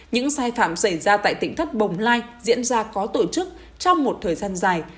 những sai phạm xảy ra tại tỉnh thất bồng lai diễn ra có tổ chức trong một thời gian dài